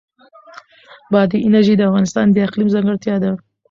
بادي انرژي د افغانستان د اقلیم ځانګړتیا ده.